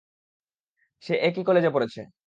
সে এই কলেজেই পড়েছে।